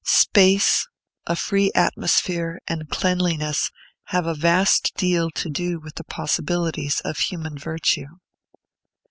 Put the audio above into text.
Space, a free atmosphere, and cleanliness have a vast deal to do with the possibilities of human virtue.